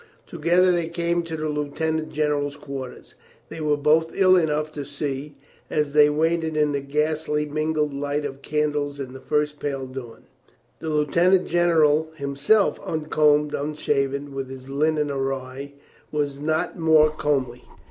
Together they came to the lieutenant general's quarters. They were both ill enough to see, as they waited in the ghastly mingled light of candles and the first pale dawn. The lieutenant general him self, uncombed, unshaven, with his linen awry, was not more comely.